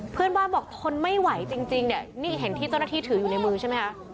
เพื่อนบ้านบอกทนไม่ไหวจริงเนี่ยนี่เห็นที่เจ้าหน้าที่ถืออยู่ในมือใช่ไหมคะ